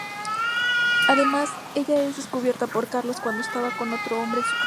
Además, ella es descubierta por Carlos, cuando estaba con otro hombre en su cama.